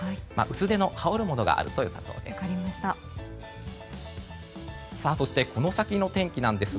薄手の羽織るものがあると良さそうです。